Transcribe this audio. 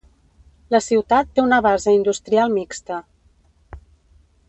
La ciutat té una base industrial mixta.